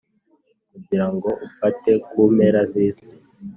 kugira ngo ufate ku mpera z’isi